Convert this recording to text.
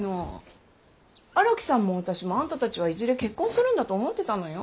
荒木さんも私もあんたたちはいずれ結婚するんだと思ってたのよ。